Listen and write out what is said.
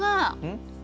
うん？